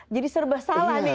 jadi serba salah nih